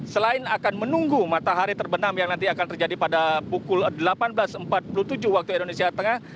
selain akan menunggu matahari terbenam yang nanti akan terjadi pada pukul delapan belas empat puluh tujuh waktu indonesia tengah